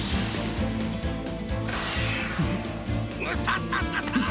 ムササササ！